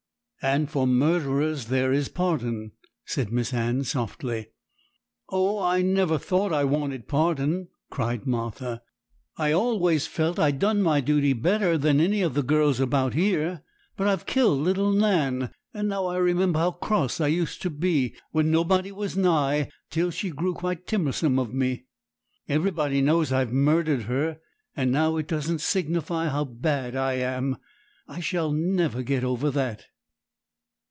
'And for murderers there is pardon,' said Miss Anne softly. 'Oh, I never thought I wanted pardon,' cried Martha; 'I always felt I'd done my duty better than any of the girls about here. But I've killed little Nan; and now I remember how cross I used to be when nobody was nigh, till she grew quite timmer some of me. Everybody knows I've murdered her; and now it doesn't signify how bad I am. I shall never get over that.'